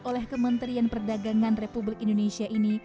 oleh kementerian perdagangan republik indonesia ini